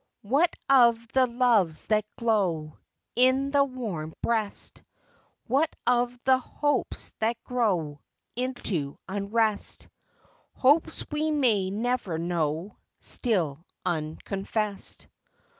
What of the loves that glow In the warm breast ? What of the hopes that grow Into unrest ? Hopes we may never know, Still unconfessed.